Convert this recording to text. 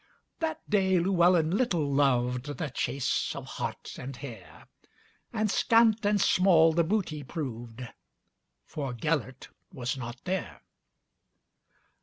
That day Llewelyn little lovedThe chase of hart and hare; And scant and small the booty proved, For Gêlert was not there.